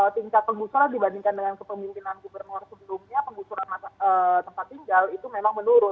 tingkat penggusuran dibandingkan dengan kepemimpinan gubernur sebelumnya penggusuran tempat tinggal itu memang menurun